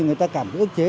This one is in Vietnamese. người ta cảm thấy ước chế